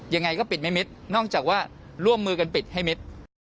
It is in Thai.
ยังไงก็ปิดไม่มิดนอกจากว่าร่วมมือกันปิดให้มิด